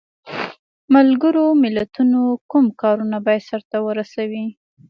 ملګرو ملتونو کوم کارونه باید سرته ورسوي؟